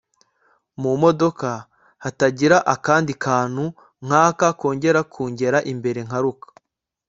mumodoka hatagira akandi kantu nkaka kongera kungera imbere nkaruka